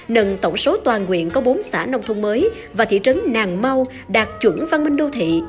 nâng tổng số toàn quyện có bốn xã nông thôn mới và thị trấn nàng mau đạt chuẩn văn minh đô thị